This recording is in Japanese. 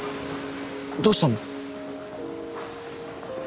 どうしたの？